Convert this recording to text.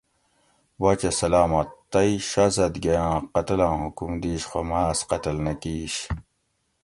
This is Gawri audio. باچہ سلامت تے شازادگے آں قتلاں حکم دِیش خو مہ آۤس قتل نہ کِیش